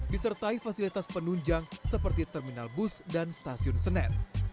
disertai fasilitas penunjang seperti terminal bus dan stasiun senen